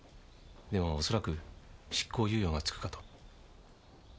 でも恐らく執行猶予がつくかと。